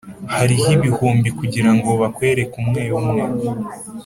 hariho ibihumbi kugirango bakwereke umwe umwe,